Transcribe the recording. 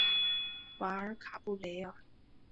瓦尔卡布雷尔。